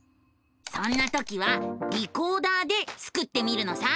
そんな時は「リコーダー」でスクってみるのさ！